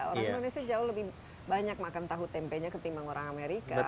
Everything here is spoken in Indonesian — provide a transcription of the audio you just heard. orang indonesia jauh lebih banyak makan tahu tempenya ketimbang orang amerika